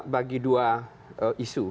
bagi dua isu